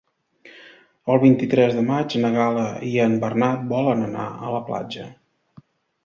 El vint-i-tres de maig na Gal·la i en Bernat volen anar a la platja.